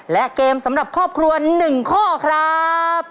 และเกมสำหรับครอบครัว๑ข้อครับ